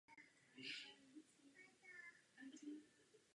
Dýchací cesty se dělí na horní a dolní.